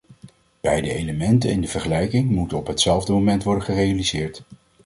Beide elementen in de vergelijking moeten op hetzelfde moment worden gerealiseerd.